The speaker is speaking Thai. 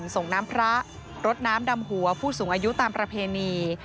ส่งน้ำพระรดน้ำดำหัวผู้สูงอายุตามประเพณี